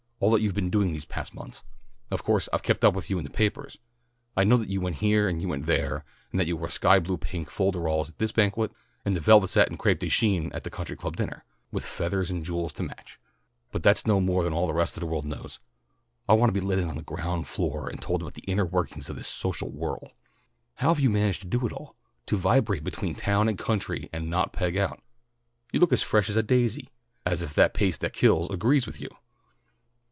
"All that you've been doing these last months. Of course I've kept up with you in the papers. I know that you went here and went there, and that you wore sky blue pink folderols at this banquet and velvet satin crêpe de chine at the Country Club dinner, with feathers and jewels to match, but that's no more than all the rest of the world knows. I want to be let in on the ground floor and told about the inner workings of this social whirl. How have you managed to do it all? To vibrate between town and country and not peg out. You look as fresh as a daisy; as if the pace that kills agrees with you."